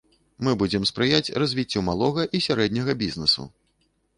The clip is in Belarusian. Мы будзем спрыяць развіццю малога і сярэдняга бізнэсу.